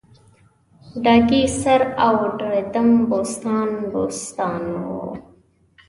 ډاګی سر او دړیدم بوستان بوستان و